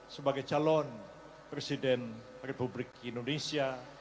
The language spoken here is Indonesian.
sebagai calon presiden republik indonesia